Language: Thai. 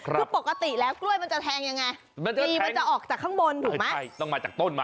คือปกติแล้วกล้วยมันจะแทงยังไงปลีมันจะออกจากข้างบนถูกไหม